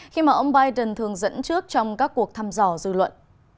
khi mà ông biden thường dẫn trước trong các cuộc thăm dò dư luận